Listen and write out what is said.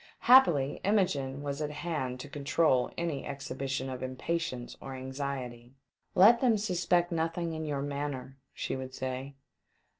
Happily, Imogene was at hand to control any exhibition of impatience or anxiety. " Let them suspect nothing in your man ner," she would say.